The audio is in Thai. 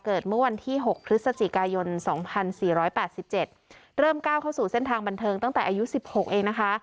เมื่อวันที่๖พฤศจิกายน๒๔๘๗เริ่มก้าวเข้าสู่เส้นทางบันเทิงตั้งแต่อายุ๑๖เองนะคะ